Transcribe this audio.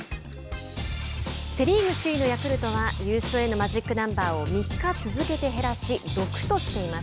セ・リーグ首位のヤクルトは優勝へのマジックナンバーを３日続けて減らし６としています。